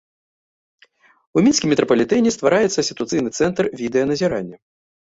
У мінскім метрапалітэне ствараецца сітуацыйны цэнтр відэаназірання.